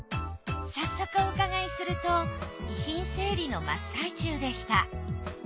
早速お伺いすると遺品整理の真っ最中でした。